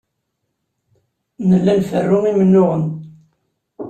Nella nferru imennuɣen.